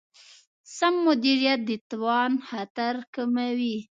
سم مدیریت د تاوان خطر کموي.